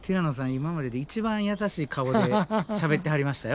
今までで一番優しい顔でしゃべってはりましたよ